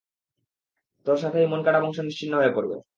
তোর সাথেই মনকাডা বংশ নিশ্চিহ্ন হয়ে পড়বে।